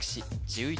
１１